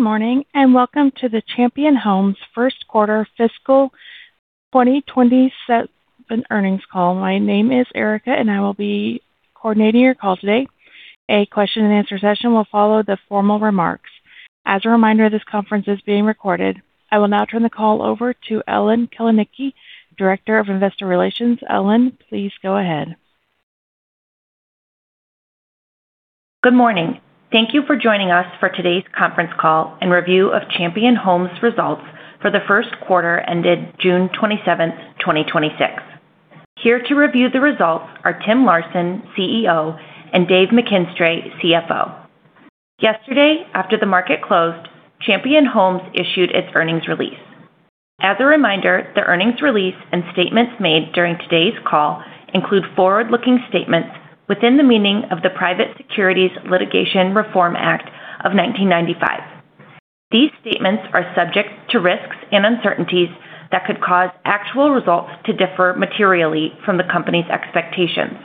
Good morning, and welcome to the Champion Homes first quarter fiscal 2027 earnings call. My name is Erica, and I will be coordinating your call today. A question and answer session will follow the formal remarks. As a reminder, this conference is being recorded. I will now turn the call over to Ellen Kaleniecki, Director of Investor Relations. Ellen, please go ahead. Good morning. Thank you for joining us for today's conference call and review of Champion Homes results for the first quarter ended June 27th, 2026. Here to review the results are Tim Larson, CEO, and Dave McKinstray, CFO. Yesterday, after the market closed, Champion Homes issued its earnings release. As a reminder, the earnings release and statements made during today's call include forward-looking statements within the meaning of the Private Securities Litigation Reform Act of 1995. These statements are subject to risks and uncertainties that could cause actual results to differ materially from the company's expectations.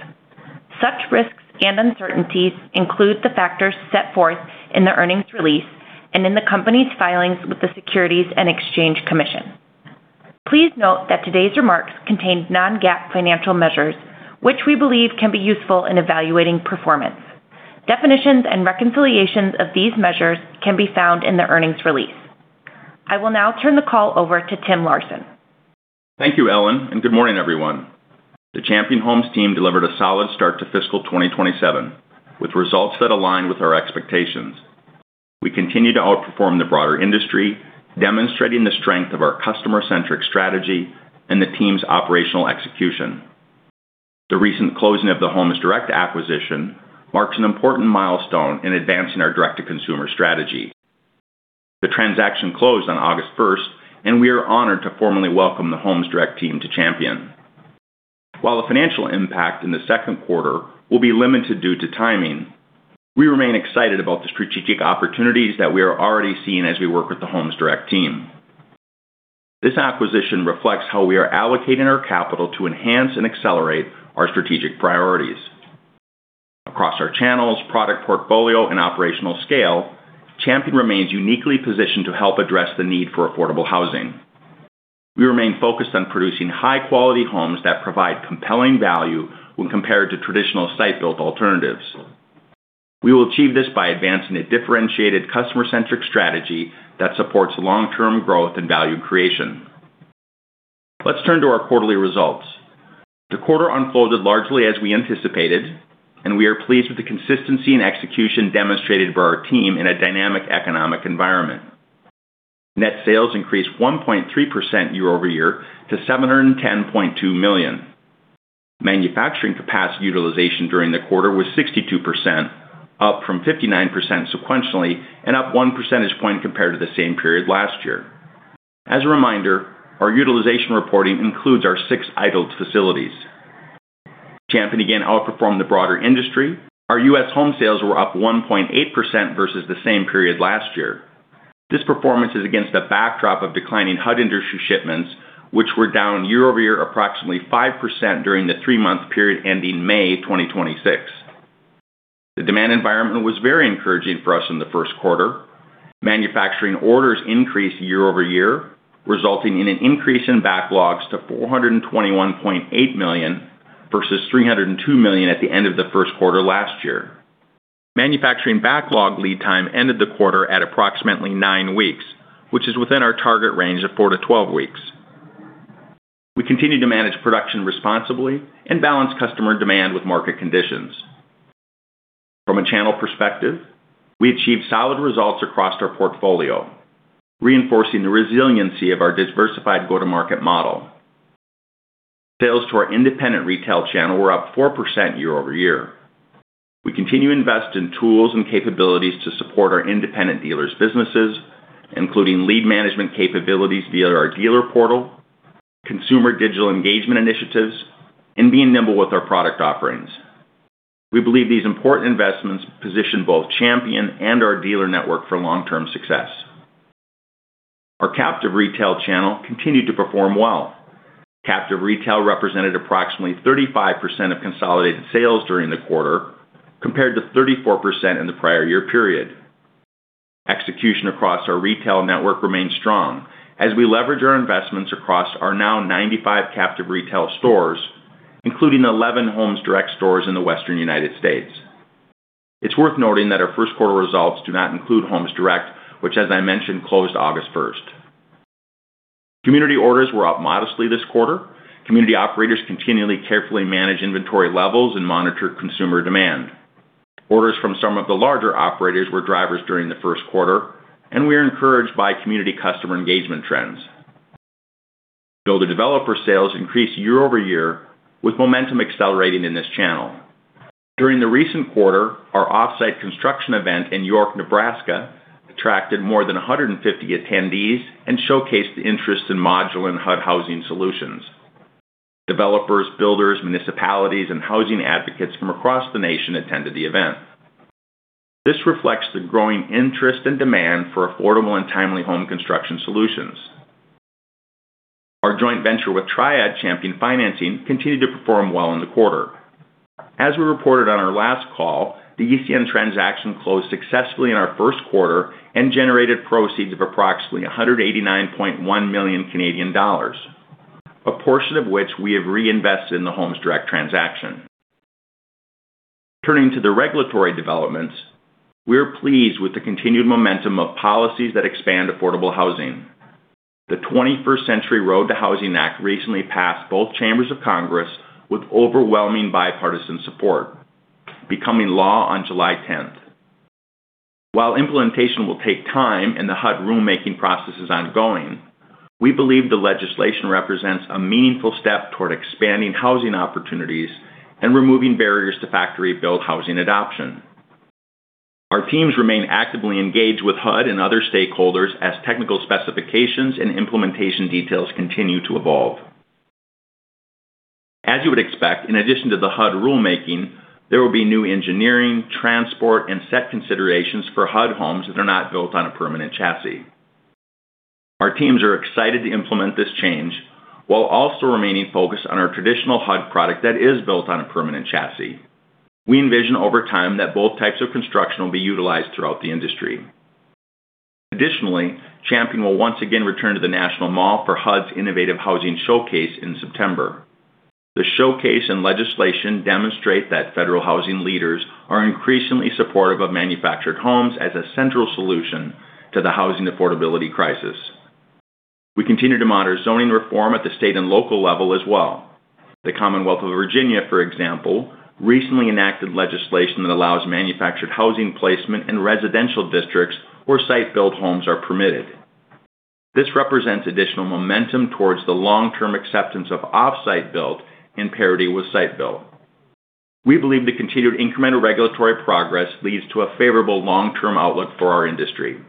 Such risks and uncertainties include the factors set forth in the earnings release and in the company's filings with the Securities and Exchange Commission. Please note that today's remarks contain non-GAAP financial measures, which we believe can be useful in evaluating performance. Definitions and reconciliations of these measures can be found in the earnings release. I will now turn the call over to Tim Larson. Thank you, Ellen, and good morning, everyone. The Champion Homes team delivered a solid start to fiscal 2027, with results that align with our expectations. We continue to outperform the broader industry, demonstrating the strength of our customer-centric strategy and the team's operational execution. The recent closing of the Homes Direct acquisition marks an important milestone in advancing our direct-to-consumer strategy. The transaction closed on August 1st, and we are honored to formally welcome the Homes Direct team to Champion. While the financial impact in the second quarter will be limited due to timing, we remain excited about the strategic opportunities that we are already seeing as we work with the Homes Direct team. This acquisition reflects how we are allocating our capital to enhance and accelerate our strategic priorities. Across our channels, product portfolio, and operational scale, Champion remains uniquely positioned to help address the need for affordable housing. We remain focused on producing high-quality homes that provide compelling value when compared to traditional site-built alternatives. We will achieve this by advancing a differentiated customer-centric strategy that supports long-term growth and value creation. Let's turn to our quarterly results. The quarter unfolded largely as we anticipated, and we are pleased with the consistency and execution demonstrated by our team in a dynamic economic environment. Net sales increased 1.3% year-over-year to $710.2 million. Manufacturing capacity utilization during the quarter was 62%, up from 59% sequentially and up one percentage point compared to the same period last year. As a reminder, our utilization reporting includes our six idled facilities. Champion again outperformed the broader industry. Our U.S. home sales were up 1.8% versus the same period last year. This performance is against a backdrop of declining HUD industry shipments, which were down year-over-year approximately 5% during the three-month period ending May 2026. The demand environment was very encouraging for us in the first quarter. Manufacturing orders increased year-over-year, resulting in an increase in backlogs to $421.8 million versus $302 million at the end of the first quarter last year. Manufacturing backlog lead time ended the quarter at approximately nine weeks, which is within our target range of four to 12 weeks. We continue to manage production responsibly and balance customer demand with market conditions. From a channel perspective, we achieved solid results across our portfolio, reinforcing the resiliency of our diversified go-to-market model. Sales to our independent retail channel were up 4% year-over-year. We continue to invest in tools and capabilities to support our independent dealers' businesses, including lead management capabilities via our dealer portal, consumer digital engagement initiatives, and being nimble with our product offerings. We believe these important investments position both Champion and our dealer network for long-term success. Our captive retail channel continued to perform well. Captive retail represented approximately 35% of consolidated sales during the quarter, compared to 34% in the prior year period. Execution across our retail network remains strong as we leverage our investments across our now 95 captive retail stores, including 11 Homes Direct stores in the Western U.S. It's worth noting that our first quarter results do not include Homes Direct, which as I mentioned, closed August 1st. Community orders were up modestly this quarter. Community operators continually carefully manage inventory levels and monitor consumer demand. Orders from some of the larger operators were drivers during the first quarter. We are encouraged by community customer engagement trends. Builder-developer sales increased year-over-year with momentum accelerating in this channel. During the recent quarter, our off-site construction event in York, Nebraska, attracted more than 150 attendees and showcased the interest in module and HUD housing solutions. Developers, builders, municipalities, and housing advocates from across the nation attended the event. This reflects the growing interest and demand for affordable and timely home construction solutions. Our joint venture with Triad Champion Financing continued to perform well in the quarter. As we reported on our last call, the ECN transaction closed successfully in our first quarter and generated proceeds of approximately 189.1 million Canadian dollars, a portion of which we have reinvested in the Homes Direct transaction. Turning to the regulatory developments, we are pleased with the continued momentum of policies that expand affordable housing. The 21st Century ROAD to Housing Act recently passed both chambers of Congress with overwhelming bipartisan support, becoming law on July 10th. While implementation will take time and the HUD rulemaking process is ongoing, we believe the legislation represents a meaningful step toward expanding housing opportunities and removing barriers to factory build housing adoption. Our teams remain actively engaged with HUD and other stakeholders as technical specifications and implementation details continue to evolve. As you would expect, in addition to the HUD rulemaking, there will be new engineering, transport, and set considerations for HUD homes that are not built on a permanent chassis. Our teams are excited to implement this change while also remaining focused on our traditional HUD product that is built on a permanent chassis. We envision over time that both types of construction will be utilized throughout the industry. Additionally, Champion will once again return to the National Mall for HUD's Innovative Housing Showcase in September. The showcase and legislation demonstrate that federal housing leaders are increasingly supportive of manufactured homes as a central solution to the housing affordability crisis. We continue to monitor zoning reform at the state and local level as well. The Commonwealth of Virginia, for example, recently enacted legislation that allows manufactured housing placement in residential districts where site-built homes are permitted. This represents additional momentum towards the long-term acceptance of off-site built in parity with site built. We believe the continued incremental regulatory progress leads to a favorable long-term outlook for our industry.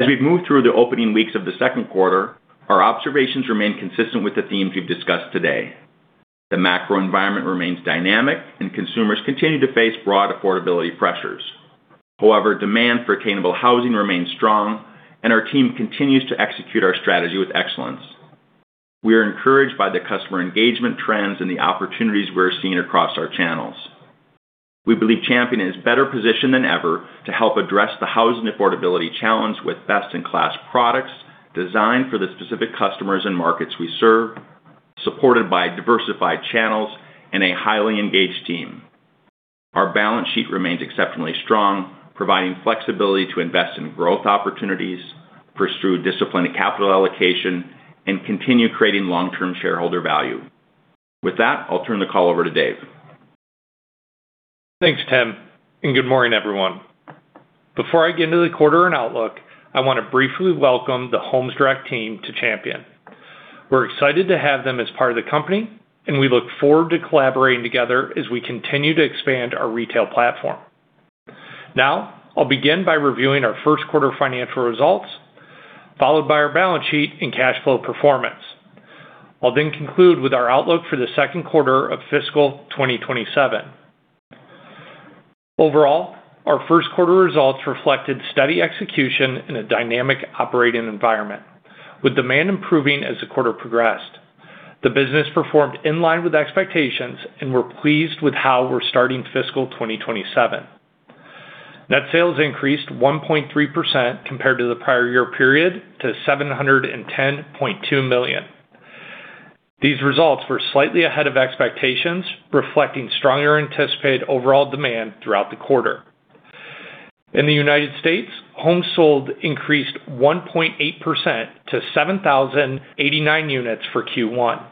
As we've moved through the opening weeks of the second quarter, our observations remain consistent with the themes we've discussed today. The macro environment remains dynamic. Consumers continue to face broad affordability pressures. However, demand for attainable housing remains strong. Our team continues to execute our strategy with excellence. We are encouraged by the customer engagement trends and the opportunities we're seeing across our channels. We believe Champion is better positioned than ever to help address the housing affordability challenge with best-in-class products designed for the specific customers and markets we serve, supported by diversified channels and a highly engaged team. Our balance sheet remains exceptionally strong, providing flexibility to invest in growth opportunities, pursue disciplined capital allocation, and continue creating long-term shareholder value. With that, I'll turn the call over to Dave. Thanks, Tim, and good morning, everyone. Before I get into the quarter and outlook, I want to briefly welcome the Homes Direct team to Champion. We're excited to have them as part of the company. We look forward to collaborating together as we continue to expand our retail platform. Now, I'll begin by reviewing our first quarter financial results, followed by our balance sheet and cash flow performance. I'll then conclude with our outlook for the second quarter of fiscal 2027. Overall, our first quarter results reflected steady execution in a dynamic operating environment. With demand improving as the quarter progressed, the business performed in line with expectations. We're pleased with how we're starting fiscal 2027. Net sales increased 1.3% compared to the prior year period to $710.2 million. These results were slightly ahead of expectations, reflecting stronger anticipated overall demand throughout the quarter. In the U.S., homes sold increased 1.8% to 7,089 units for Q1.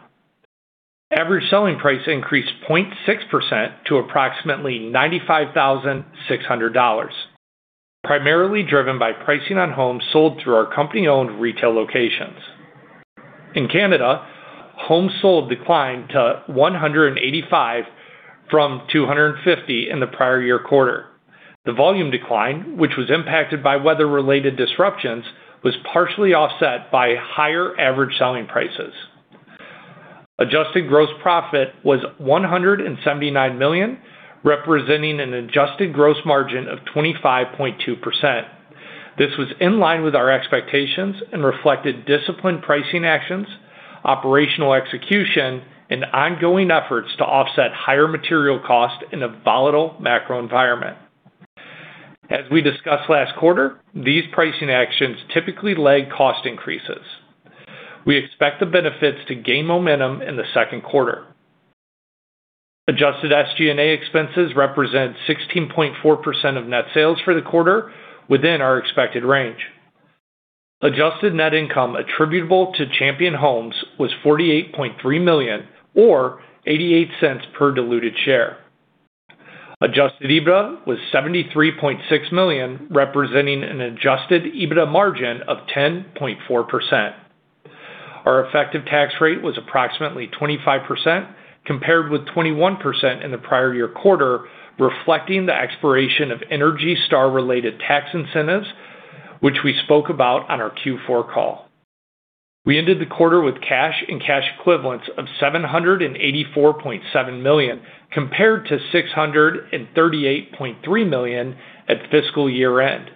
Average selling price increased 0.6% to approximately $95,600, primarily driven by pricing on homes sold through our company-owned retail locations. In Canada, homes sold declined to 185 from 250 in the prior year quarter. The volume decline, which was impacted by weather-related disruptions, was partially offset by higher average selling prices. Adjusted gross profit was $179 million, representing an adjusted gross margin of 25.2%. This was in line with our expectations and reflected disciplined pricing actions, operational execution, and ongoing efforts to offset higher material cost in a volatile macro environment. As we discussed last quarter, these pricing actions typically lag cost increases. We expect the benefits to gain momentum in the second quarter. Adjusted SG&A expenses represent 16.4% of net sales for the quarter within our expected range. Adjusted net income attributable to Champion Homes was $48.3 million or $0.88 per diluted share. Adjusted EBITDA was $73.6 million, representing an adjusted EBITDA margin of 10.4%. Our effective tax rate was approximately 25%, compared with 21% in the prior year quarter, reflecting the expiration of ENERGY STAR-related tax incentives, which we spoke about on our Q4 call. We ended the quarter with cash and cash equivalents of $784.7 million, compared to $638.3 million at fiscal year-end.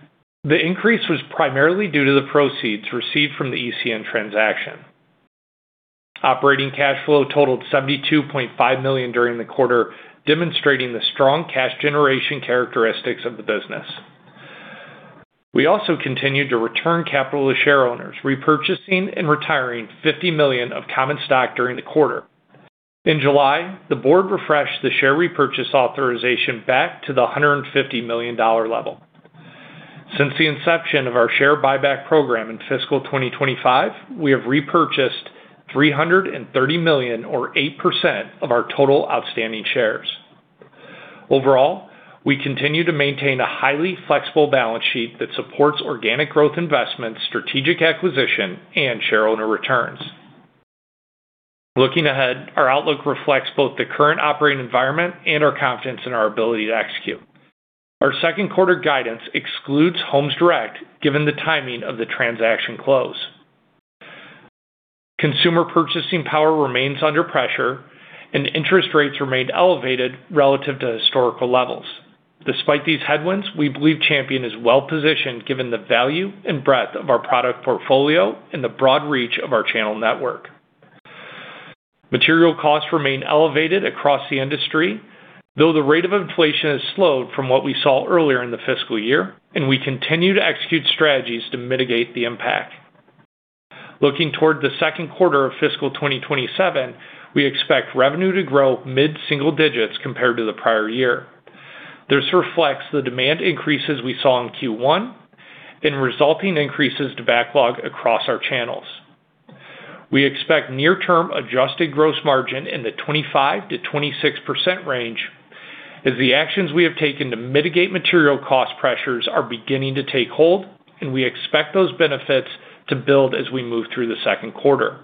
The increase was primarily due to the proceeds received from the ECN transaction. Operating cash flow totaled $72.5 million during the quarter, demonstrating the strong cash generation characteristics of the business. We also continued to return capital to share owners, repurchasing and retiring $50 million of common stock during the quarter. In July, the board refreshed the share repurchase authorization back to the $150 million level. Since the inception of our share buyback program in fiscal 2025, we have repurchased $330 million, or 8%, of our total outstanding shares. Overall, we continue to maintain a highly flexible balance sheet that supports organic growth investments, strategic acquisition, and share owner returns. Looking ahead, our outlook reflects both the current operating environment and our confidence in our ability to execute. Our second quarter guidance excludes Homes Direct, given the timing of the transaction close. Consumer purchasing power remains under pressure, and interest rates remain elevated relative to historical levels. Despite these headwinds, we believe Champion is well-positioned given the value and breadth of our product portfolio and the broad reach of our channel network. Material costs remain elevated across the industry. Though the rate of inflation has slowed from what we saw earlier in the fiscal year, and we continue to execute strategies to mitigate the impact. Looking toward the second quarter of fiscal 2027, we expect revenue to grow mid-single digits compared to the prior year. This reflects the demand increases we saw in Q1 and resulting increases to backlog across our channels. We expect near-term adjusted gross margin in the 25%-26% range as the actions we have taken to mitigate material cost pressures are beginning to take hold, and we expect those benefits to build as we move through the second quarter.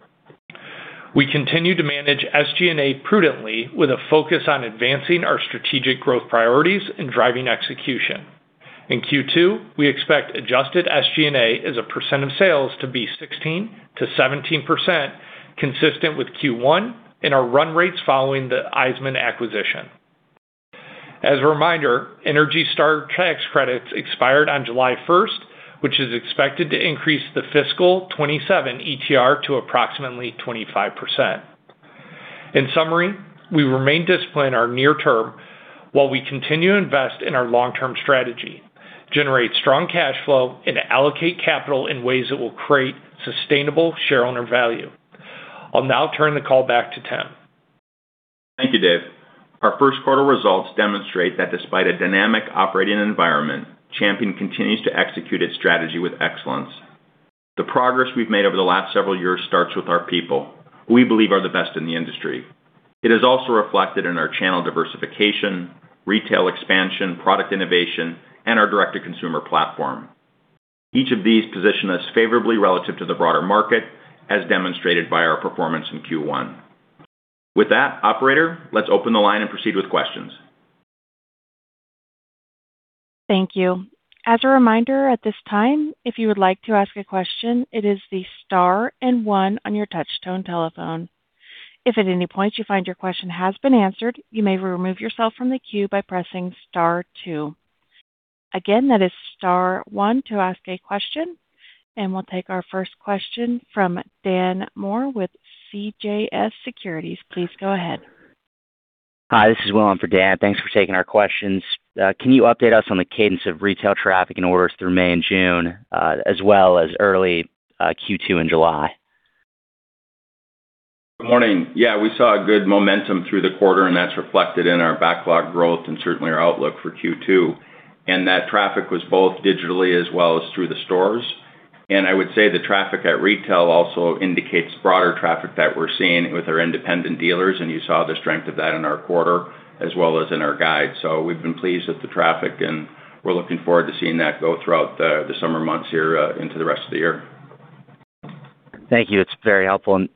We continue to manage SG&A prudently, with a focus on advancing our strategic growth priorities and driving execution. In Q2, we expect adjusted SG&A as a percent of sales to be 16%-17%, consistent with Q1, and our run rates following the Iseman acquisition. As a reminder, ENERGY STAR tax credits expired on July 1st, which is expected to increase the fiscal 2027 ETR to approximately 25%. In summary, we remain disciplined in our near term while we continue to invest in our long-term strategy, generate strong cash flow, and allocate capital in ways that will create sustainable share owner value. I'll now turn the call back to Tim. Thank you, Dave. Our first quarter results demonstrate that despite a dynamic operating environment, Champion continues to execute its strategy with excellence. The progress we've made over the last several years starts with our people, who we believe are the best in the industry. It is also reflected in our channel diversification, retail expansion, product innovation, and our direct-to-consumer platform. Each of these position us favorably relative to the broader market, as demonstrated by our performance in Q1. With that, operator, let's open the line and proceed with questions. Thank you. As a reminder at this time, if you would like to ask a question, it is the star and one on your touchtone telephone. If at any point you find your question has been answered, you may remove yourself from the queue by pressing star two. Again, that is star one to ask a question. We'll take our first question from Dan Moore with CJS Securities. Please go ahead. Hi, this is Will in for Dan. Thanks for taking our questions. Can you update us on the cadence of retail traffic and orders through May and June, as well as early Q2 in July? Good morning. We saw good momentum through the quarter, and that's reflected in our backlog growth and certainly our outlook for Q2. That traffic was both digitally as well as through the stores. I would say the traffic at retail also indicates broader traffic that we're seeing with our independent dealers, and you saw the strength of that in our quarter as well as in our guide. We've been pleased with the traffic and we're looking forward to seeing that go throughout the summer months here into the rest of the year. Thank you. That's very helpful.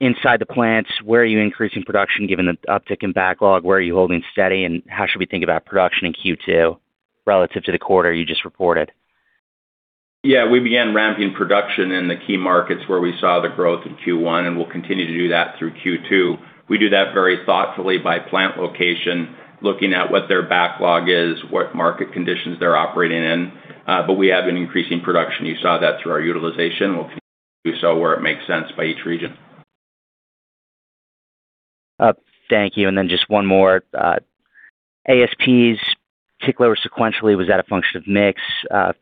Inside the plants, where are you increasing production given the uptick in backlog? Where are you holding steady, and how should we think about production in Q2 relative to the quarter you just reported? We began ramping production in the key markets where we saw the growth in Q1, and we'll continue to do that through Q2. We do that very thoughtfully by plant location, looking at what their backlog is, what market conditions they're operating in. We have been increasing production. You saw that through our utilization. We'll continue to do so where it makes sense by each region. Thank you. Just one more. ASPs tick lower sequentially. Was that a function of mix?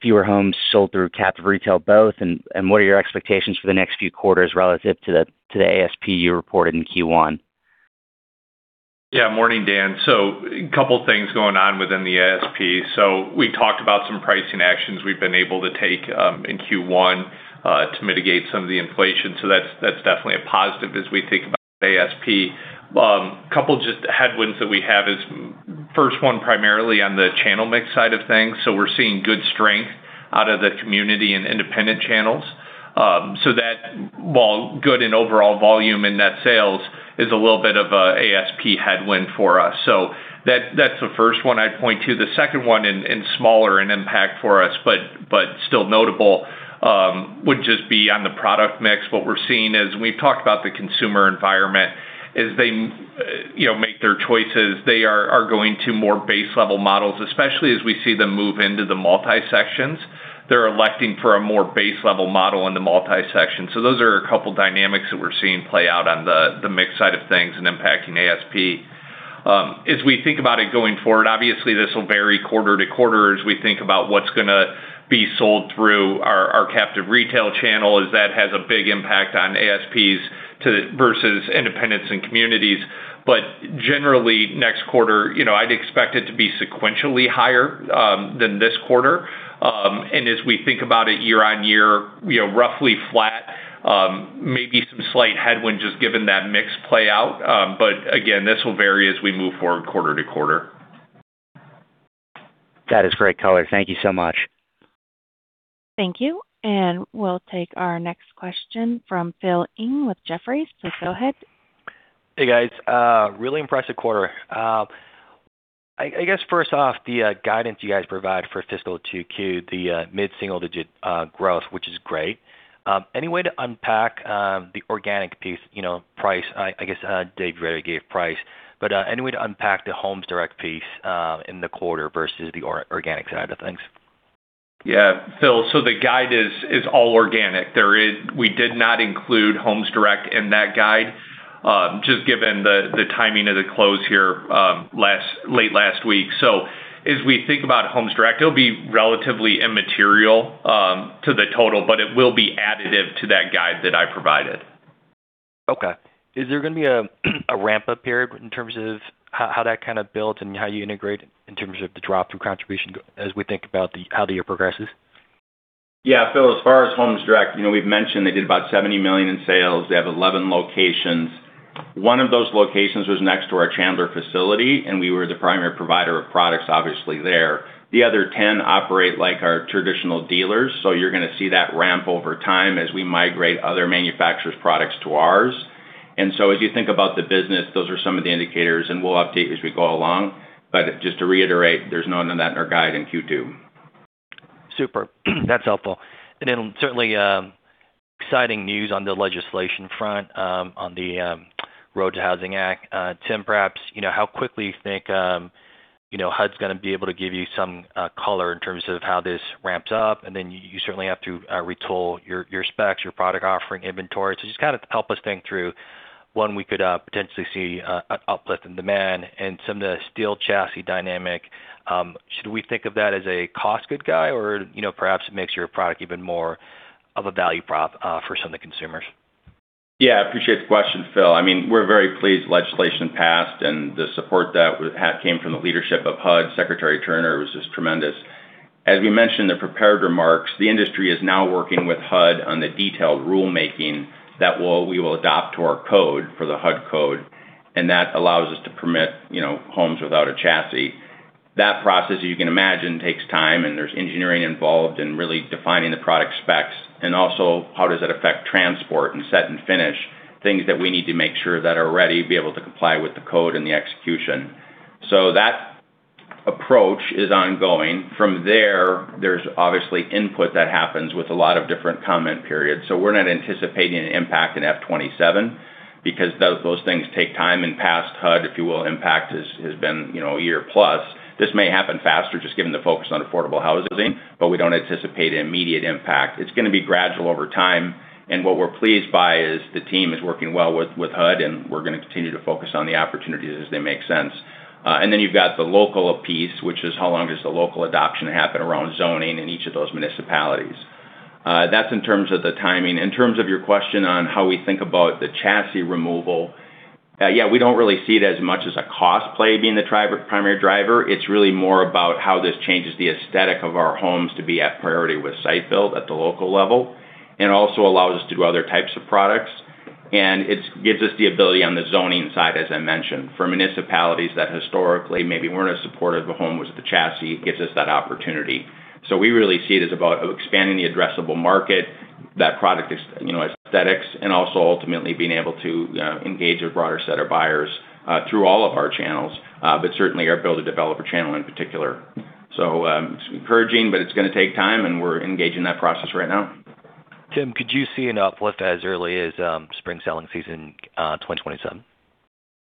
Fewer homes sold through captive retail, both? What are your expectations for the next few quarters relative to the ASP you reported in Q1? Morning, Dan. A couple of things going on within the ASP. We talked about some pricing actions we've been able to take, in Q1, to mitigate some of the inflation. That's definitely a positive as we think about ASP. Couple just headwinds that we have is first one primarily on the channel mix side of things. We're seeing good strength out of the community and independent channels. That, while good in overall volume in net sales, is a little bit of an ASP headwind for us. That's the first one I'd point to. The second one, and smaller in impact for us, but still notable Would just be on the product mix. What we're seeing is, we've talked about the consumer environment, as they make their choices, they are going to more base-level models, especially as we see them move into the multi sections. They're electing for a more base-level model in the multi section. Those are a couple dynamics that we're seeing play out on the mix side of things and impacting ASP. As we think about it going forward, obviously this will vary quarter-to-quarter as we think about what's going to be sold through our captive retail channel, as that has a big impact on ASPs versus independents and communities. Generally, next quarter, I'd expect it to be sequentially higher than this quarter. As we think about it year-on-year, roughly flat. Maybe some slight headwinds just given that mix play out. Again, this will vary as we move forward quarter-to-quarter. That is great color. Thank you so much. Thank you. We'll take our next question from Phil Ng with Jefferies. Please go ahead. Hey, guys. Really impressive quarter. I guess first off, the guidance you guys provide for fiscal 2Q, the mid-single digit growth, which is great. Any way to unpack the organic piece, price, I guess Dave already gave price, but any way to unpack the Homes Direct piece in the quarter versus the organic side of things? Yeah. Phil, the guide is all organic. We did not include Homes Direct in that guide, just given the timing of the close here late last week. As we think about Homes Direct, it'll be relatively immaterial to the total, but it will be additive to that guide that I provided. Okay. Is there going to be a ramp up period in terms of how that kind of builds and how you integrate in terms of the drop through contribution as we think about how the year progresses? Yeah, Phil, as far as Homes Direct, we've mentioned they did about $70 million in sales. They have 11 locations. One of those locations was next to our Chandler facility, and we were the primary provider of products, obviously there. The other 10 operate like our traditional dealers. You're going to see that ramp over time as we migrate other manufacturers' products to ours. As you think about the business, those are some of the indicators, and we'll update you as we go along. Just to reiterate, there's none of that in our guide in Q2. Super. That's helpful. Certainly, exciting news on the legislation front on the ROAD to Housing Act. Tim, perhaps, how quickly you think HUD's going to be able to give you some color in terms of how this ramps up, and then you certainly have to retool your specs, your product offering, inventory. Just kind of help us think through when we could potentially see an uplift in demand and some of the steel chassis dynamic. Should we think of that as a cost good guy or perhaps it makes your product even more of a value prop for some of the consumers? Yeah, appreciate the question, Phil. We're very pleased legislation passed and the support that came from the leadership of HUD, Secretary Turner, was just tremendous. As we mentioned in the prepared remarks, the industry is now working with HUD on the detailed rulemaking that we will adopt to our code for the HUD code, and that allows us to permit homes without a chassis. That process, as you can imagine, takes time and there's engineering involved in really defining the product specs and also how does it affect transport and set and finish, things that we need to make sure that are ready to be able to comply with the code and the execution. That approach is ongoing. From there's obviously input that happens with a lot of different comment periods. We're not anticipating an impact in FY 2027 because those things take time. In past HUD, if you will, impact has been a year plus. This may happen faster just given the focus on affordable housing, we don't anticipate immediate impact. It's going to be gradual over time, what we're pleased by is the team is working well with HUD, and we're going to continue to focus on the opportunities as they make sense. Then you've got the local piece, which is how long does the local adoption happen around zoning in each of those municipalities? That's in terms of the timing. In terms of your question on how we think about the chassis removal, yeah, we don't really see it as much as a cost play being the primary driver. It's really more about how this changes the aesthetic of our homes to be at priority with site build at the local level. It also allows us to do other types of products, and it gives us the ability on the zoning side, as I mentioned. For municipalities that historically maybe weren't as supportive of homes with the chassis, it gives us that opportunity. We really see it as about expanding the addressable market, that product aesthetics, and also ultimately being able to engage a broader set of buyers through all of our channels, but certainly our build-to-developer channel in particular. It's encouraging, but it's going to take time, and we're engaged in that process right now. Tim, could you see an uplift as early as spring selling season 2027?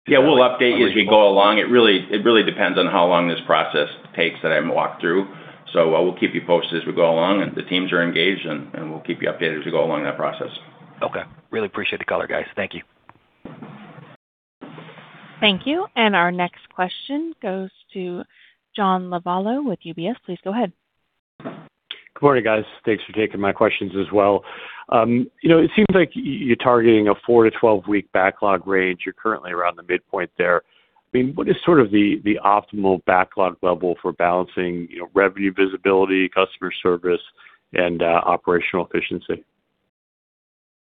Yeah, we'll update as we go along. It really depends on how long this process takes that I walked through. I will keep you posted as we go along, and the teams are engaged, and we'll keep you updated as we go along that process. Okay. Really appreciate the color, guys. Thank you. Thank you. Our next question goes to John Lovallo with UBS. Please go ahead. Good morning, guys. Thanks for taking my questions as well. It seems like you're targeting a four-week-12-week backlog range. You're currently around the midpoint there. What is sort of the optimal backlog level for balancing revenue visibility, customer service, and operational efficiency?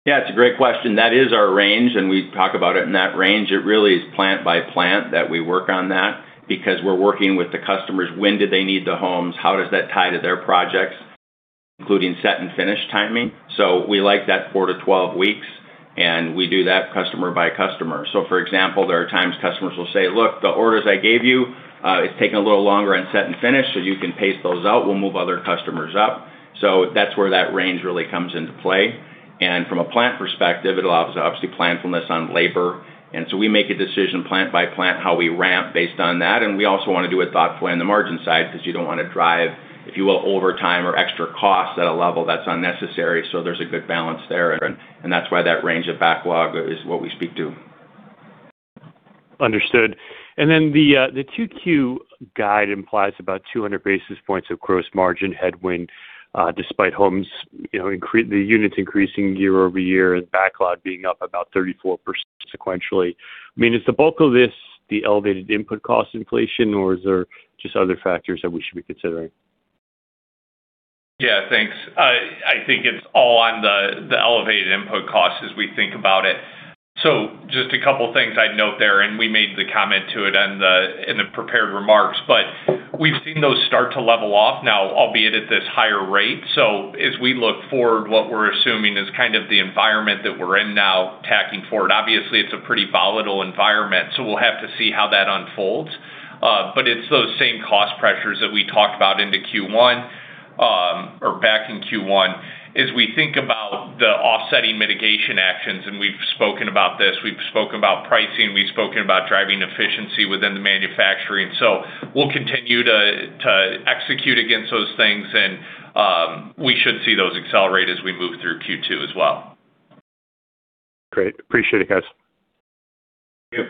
Yeah, it's a great question. That is our range, we talk about it in that range. It really is plant by plant that we work on that because we're working with the customers. When do they need the homes? How does that tie to their projects, including set and finish timing? We like that four weeks-12 weeks. We do that customer by customer. For example, there are times customers will say, "Look, the orders I gave you, it's taking a little longer on set and finish, so you can pace those out. We'll move other customers up." That's where that range really comes into play. From a plant perspective, it allows obviously planfulness on labor. We make a decision plant by plant how we ramp based on that. We also want to do it thoughtfully on the margin side because you don't want to drive, if you will, overtime or extra costs at a level that's unnecessary. There's a good balance there, and that's why that range of backlog is what we speak to. Understood. Then the 2Q guide implies about 200 basis points of gross margin headwind, despite homes, the units increasing year-over-year and backlog being up about 34% sequentially. I mean, is the bulk of this the elevated input cost inflation, or is there just other factors that we should be considering? Yeah, thanks. I think it's all on the elevated input costs as we think about it. Just a couple things I'd note there, and we made the comment to it in the prepared remarks. We've seen those start to level off now, albeit at this higher rate. As we look forward, what we're assuming is kind of the environment that we're in now tacking forward. Obviously, it's a pretty volatile environment, we'll have to see how that unfolds. It's those same cost pressures that we talked about into Q1, or back in Q1 as we think about the offsetting mitigation actions, and we've spoken about this. We've spoken about pricing. We've spoken about driving efficiency within the manufacturing. We'll continue to execute against those things, and we should see those accelerate as we move through Q2 as well. Great. Appreciate it, guys. Thank you.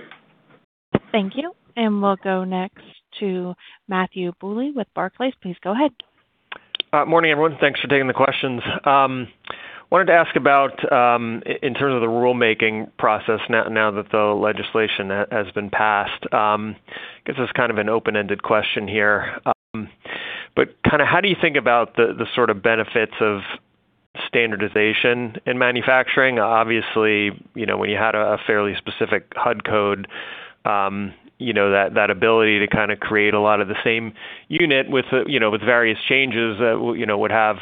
Thank you. We'll go next to Matthew Bouley with Barclays. Please go ahead. Morning, everyone. Thanks for taking the questions. Wanted to ask about, in terms of the rulemaking process now that the legislation has been passed. Gives us kind of an open-ended question here. How do you think about the sort of benefits of standardization in manufacturing? Obviously, when you had a fairly specific HUD code, that ability to kind of create a lot of the same unit with various changes that would have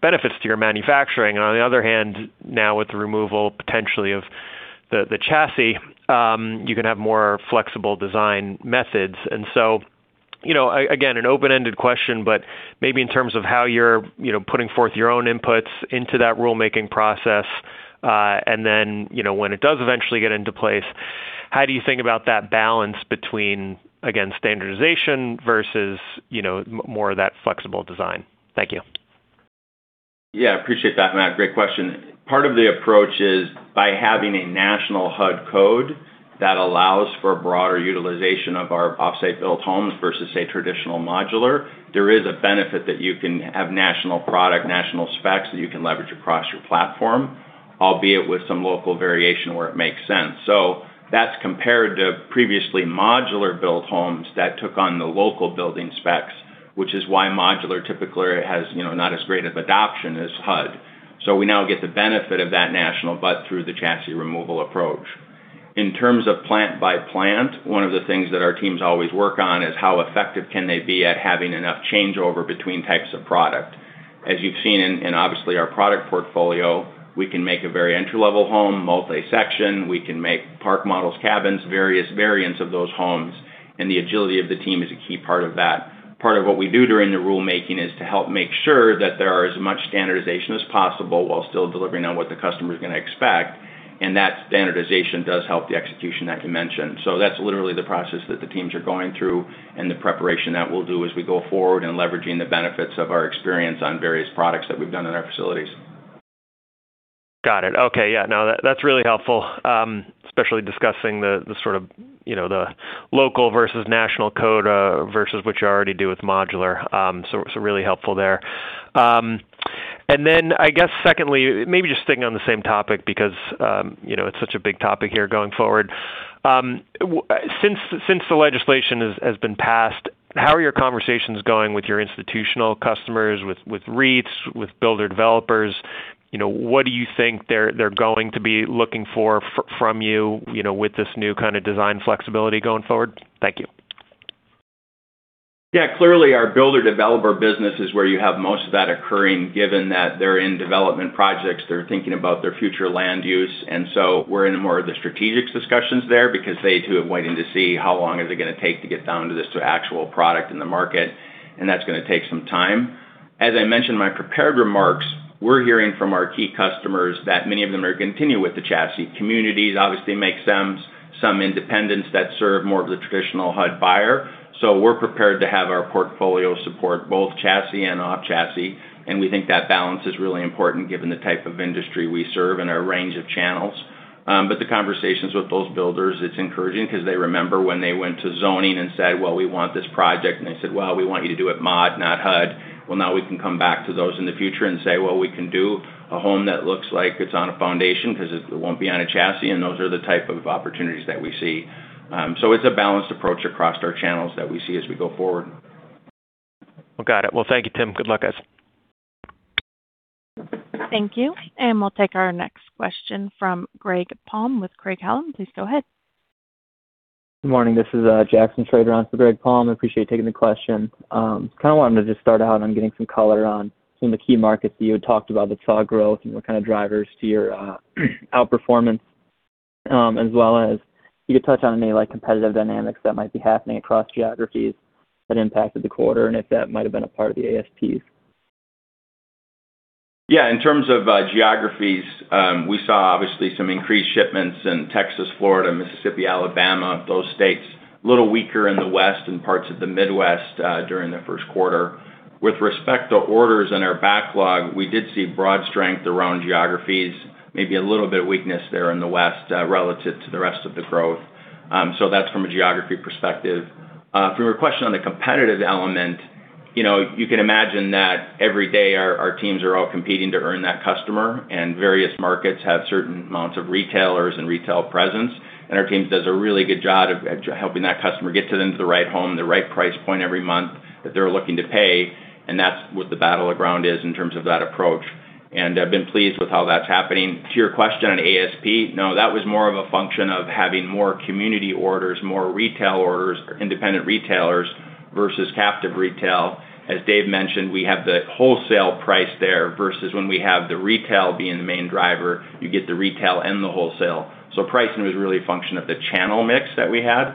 benefits to your manufacturing. On the other hand, now with the removal potentially of the chassis, you can have more flexible design methods. Again, an open-ended question, but maybe in terms of how you're putting forth your own inputs into that rulemaking process. Then, when it does eventually get into place, how do you think about that balance between, again, standardization versus more of that flexible design? Thank you. Yeah, appreciate that, Matt. Great question. Part of the approach is by having a national HUD code that allows for broader utilization of our off-site built homes versus, say, traditional modular, there is a benefit that you can have national product, national specs that you can leverage across your platform, albeit with some local variation where it makes sense. That's compared to previously modular-built homes that took on the local building specs, which is why modular typically has not as great of adoption as HUD. We now get the benefit of that national, but through the chassis removal approach. In terms of plant by plant, one of the things that our teams always work on is how effective can they be at having enough changeover between types of product. As you've seen in obviously our product portfolio, we can make a very entry-level home, multi-section. We can make park models, cabins, various variants of those homes. The agility of the team is a key part of that. Part of what we do during the rulemaking is to help make sure that there are as much standardization as possible while still delivering on what the customer is going to expect, that standardization does help the execution that you mentioned. That's literally the process that the teams are going through and the preparation that we'll do as we go forward in leveraging the benefits of our experience on various products that we've done in our facilities. Got it. Okay. Yeah, no, that's really helpful, especially discussing the sort of local versus national code versus what you already do with modular. Really helpful there. I guess secondly, maybe just sticking on the same topic because it's such a big topic here going forward. Since the legislation has been passed, how are your conversations going with your institutional customers, with REITs, with builder-developers? What do you think they're going to be looking for from you with this new kind of design flexibility going forward? Thank you. Yeah, clearly our builder-developer business is where you have most of that occurring, given that they're in development projects. They're thinking about their future land use, and so we're in more of the strategic discussions there because they, too, are waiting to see how long is it going to take to get down to this to actual product in the market, and that's going to take some time. As I mentioned in my prepared remarks, we're hearing from our key customers that many of them are going to continue with the chassis. Communities obviously make some independence that serve more of the traditional HUD buyer. We're prepared to have our portfolio support both chassis and off-chassis, and we think that balance is really important given the type of industry we serve and our range of channels. The conversations with those builders, it's encouraging because they remember when they went to zoning and said, "Well, we want this project," and they said, "Well, we want you to do it mod, not HUD." Well, now we can come back to those in the future and say, "Well, we can do a home that looks like it's on a foundation because it won't be on a chassis," and those are the type of opportunities that we see. It's a balanced approach across our channels that we see as we go forward. Well, got it. Well, thank you, Tim. Good luck, guys. Thank you. We'll take our next question from Greg Palm with Craig-Hallum. Please go ahead. Good morning. This is Jackson Schroeder with Greg Palm. Appreciate you taking the question. Kind of wanted to just start out on getting some color on some of the key markets that you had talked about that saw growth and what kind of drivers to your outperformance, as well as if you could touch on any competitive dynamics that might be happening across geographies that impacted the quarter, and if that might have been a part of the ASPs. In terms of geographies, we saw obviously some increased shipments in Texas, Florida, Mississippi, Alabama, those states. A little weaker in the West and parts of the Midwest during the first quarter. With respect to orders and our backlog, we did see broad strength around geographies, maybe a little bit of weakness there in the West relative to the rest of the growth. That's from a geography perspective. From your question on the competitive element, you can imagine that every day our teams are all competing to earn that customer, and various markets have certain amounts of retailers and retail presence. Our team does a really good job at helping that customer get to them to the right home, the right price point every month that they're looking to pay, and that's what the battleground is in terms of that approach. I've been pleased with how that's happening. To your question on ASP, no, that was more of a function of having more community orders, more retail orders, independent retailers versus captive retail. As Dave mentioned, we have the wholesale price there versus when we have the retail being the main driver, you get the retail and the wholesale. Pricing was really a function of the channel mix that we had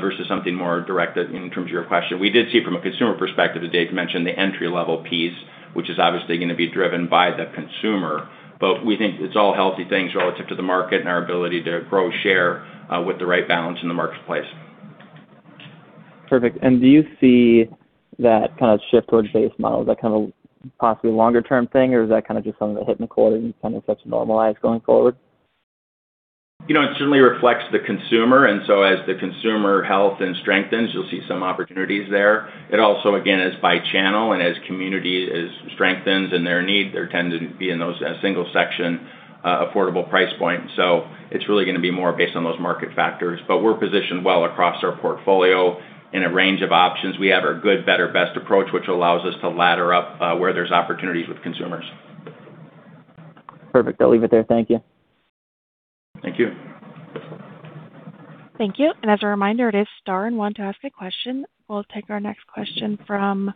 versus something more direct in terms of your question. We did see from a consumer perspective, as Dave mentioned, the entry-level piece, which is obviously going to be driven by the consumer. We think it's all healthy things relative to the market and our ability to grow share with the right balance in the marketplace. Perfect. Do you see that kind of shift towards base model? Is that kind of possibly a longer-term thing, or is that kind of just something that hit in the quarter and kind of starts to normalize going forward? It certainly reflects the consumer, as the consumer health and strengthens, you'll see some opportunities there. It also, again, is by channel, and as community strengthens in their need, there tend to be in those single section affordable price point. It's really going to be more based on those market factors. We're positioned well across our portfolio in a range of options. We have our good, better, best approach, which allows us to ladder up where there's opportunities with consumers. Perfect. I'll leave it there. Thank you. Thank you. Thank you. As a reminder, it is star and one to ask a question. We'll take our next question from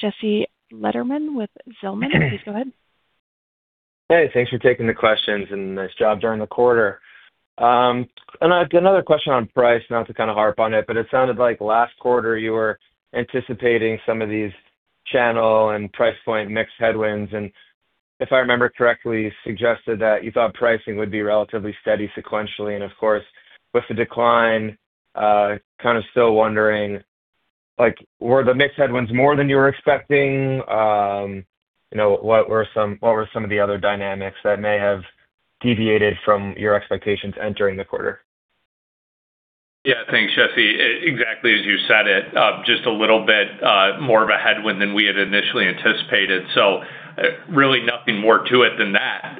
Jesse Lederman with Zelman. Please go ahead. Hey, thanks for taking the questions, and nice job during the quarter. I've got another question on price. Not to kind of harp on it, but it sounded like last quarter you were anticipating some of these channel and price point mix headwinds, and if I remember correctly, suggested that you thought pricing would be relatively steady sequentially, and of course, with the decline, kind of still wondering, were the mix headwinds more than you were expecting? What were some of the other dynamics that may have deviated from your expectations entering the quarter? Yeah. Thanks, Jesse. Exactly as you said it, just a little bit more of a headwind than we had initially anticipated. Really nothing more to it than that.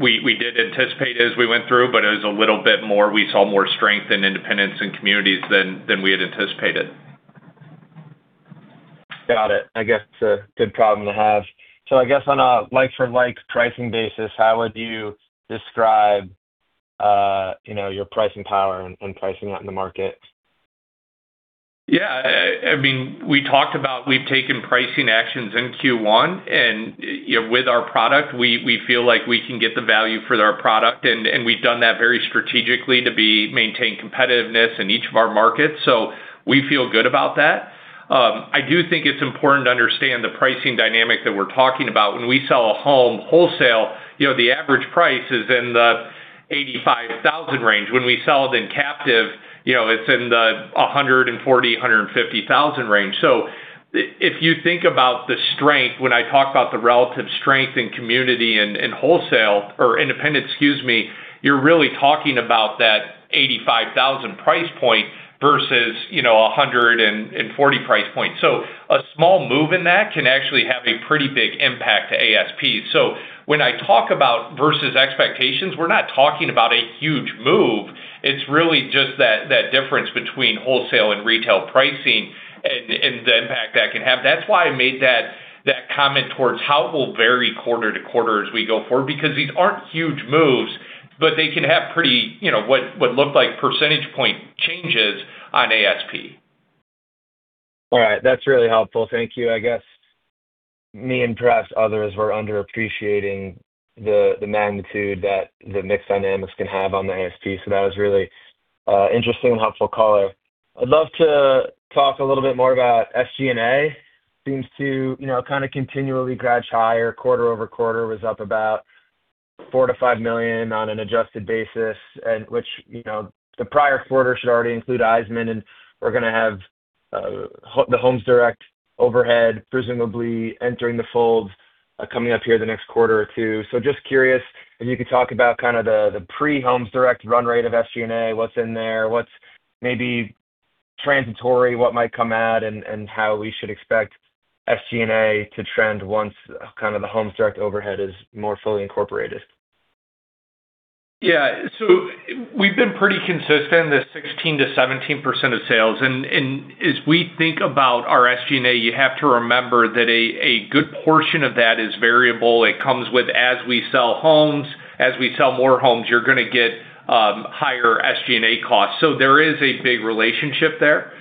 We did anticipate as we went through, but it was a little bit more. We saw more strength in independents and communities than we had anticipated. Got it. I guess it's a good problem to have. I guess on a like-for-like pricing basis, how would you describe your pricing power and pricing out in the market? We talked about we've taken pricing actions in Q1, and with our product, we feel like we can get the value for our product, and we've done that very strategically to maintain competitiveness in each of our markets. We feel good about that. I do think it's important to understand the pricing dynamic that we're talking about. When we sell a home wholesale, the average price is in the $85,000 range. When we sell it in captive, it's in the $140,000, $150,000 range. If you think about the strength, when I talk about the relative strength in community and wholesale or independent, excuse me, you're really talking about that $85,000 price point versus a $140,000 price point. A small move in that can actually have a pretty big impact to ASP. When I talk about versus expectations, we're not talking about a huge move. It's really just that difference between wholesale and retail pricing and the impact that can have. That's why I made that comment towards how it will vary quarter-to-quarter as we go forward, because these aren't huge moves, but they can have pretty what look like percentage point changes on ASP. That's really helpful. Thank you. I guess me and perhaps others were underappreciating the magnitude that the mix dynamics can have on the ASP. That was really interesting and helpful color. I'd love to talk a little bit more about SG&A. Seems to kind of continually grudge higher quarter-over-quarter. Was up about $4 million-$5 million on an adjusted basis, and which the prior quarter should already include Iseman Homes, and we're going to have the Homes Direct overhead presumably entering the fold coming up here the next quarter or two. Just curious if you could talk about kind of the pre-Homes Direct run rate of SG&A, what's in there, what's maybe transitory, what might come out, and how we should expect SG&A to trend once kind of the Homes Direct overhead is more fully incorporated. We've been pretty consistent at 16%-17% of sales. As we think about our SG&A, you have to remember that a good portion of that is variable. It comes with as we sell homes as we sell more homes, you're going to get higher SG&A costs. There is a big relationship there.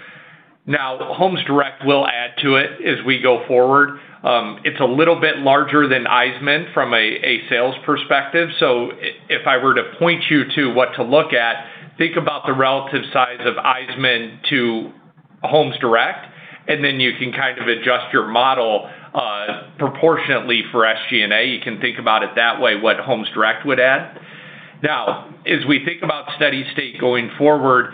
Homes Direct will add to it as we go forward. It's a little bit larger than Iseman from a sales perspective. If I were to point you to what to look at, think about the relative size of Iseman to Homes Direct, and then you can kind of adjust your model proportionately for SG&A. You can think about it that way, what Homes Direct would add. As we think about steady state going forward,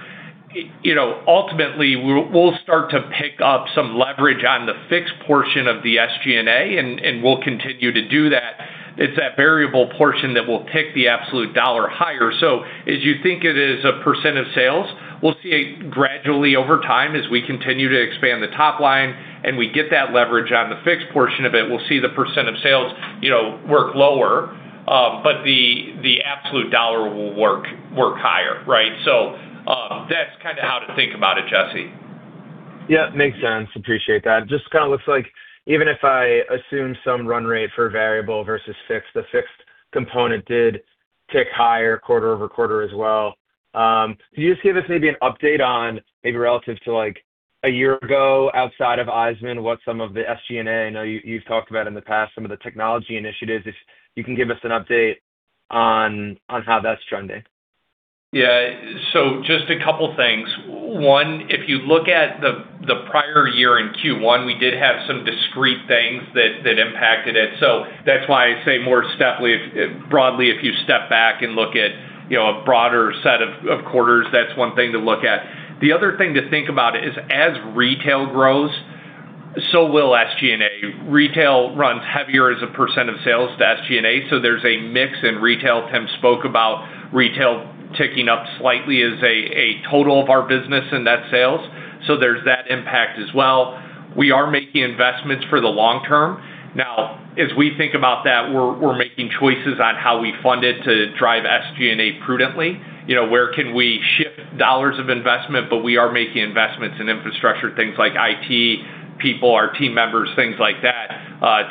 ultimately, we'll start to pick up some leverage on the fixed portion of the SG&A, and we'll continue to do that. It's that variable portion that will tick the absolute dollar higher. As you think it is a percent of sales, we'll see it gradually over time as we continue to expand the top line, and we get that leverage on the fixed portion of it. We'll see the percent of sales work lower, but the absolute dollar will work higher. Right? That's kind of how to think about it, Jesse. Yeah, makes sense. Appreciate that. Just kind of looks like even if I assume some run rate for variable versus fixed, the fixed component did tick higher quarter-over-quarter as well. Do you see this maybe an update on maybe relative to like a year ago outside of Iseman, what some of the SG&A, I know you've talked about in the past, some of the technology initiatives, if you can give us an update on how that's trending. Yeah. Just a couple of things. One, if you look at the prior year in Q1, we did have some discrete things that impacted it. That's why I say more broadly, if you step back and look at a broader set of quarters, that's one thing to look at. The other thing to think about is as retail grows, so will SG&A. Retail runs heavier as a percent of sales to SG&A. There's a mix in retail. Tim spoke about retail ticking up slightly as a total of our business in net sales. There's that impact as well. We are making investments for the long term. As we think about that, we're making choices on how we fund it to drive SG&A prudently. Where can we shift dollars of investment, but we are making investments in infrastructure, things like IT, people, our team members, things like that,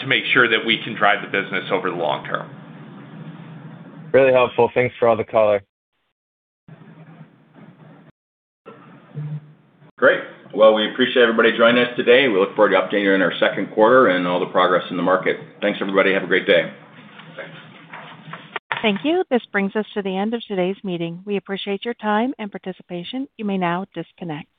to make sure that we can drive the business over the long term. Really helpful. Thanks for all the color. Great. Well, we appreciate everybody joining us today. We look forward to updating you in our second quarter and all the progress in the market. Thanks, everybody. Have a great day. Thanks. Thank you. This brings us to the end of today's meeting. We appreciate your time and participation. You may now disconnect.